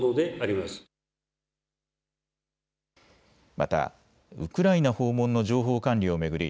またウクライナ訪問の情報管理を巡り